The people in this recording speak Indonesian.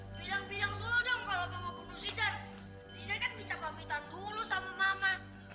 bilang bilang dulu dong kalau mama bunuh sidar sidai kan bisa pamitan dulu sama mama